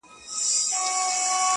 اوس پر څه دي جوړي کړي غلبلې دي!.